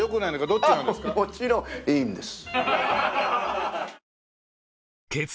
あっもちろん。いいんです！